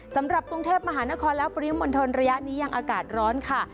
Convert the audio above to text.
สำหรับกรุงเทพฯมฮและปริมมอนธนระยะนี้ยังอากาศร้อนค่ะ